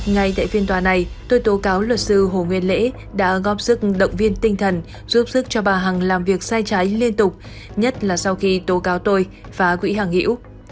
ngay tại phiên tòa này tôi tố cáo luật sư hồ nguyên lễ đã góp sức động viên tinh thần giúp sức cho bà hằng làm việc sai trái liên tục nhất là sau khi tố cáo tôi phá quỹ hàng hiễu